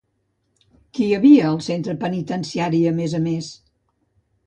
Qui hi havia al centre penitenciari a més a més?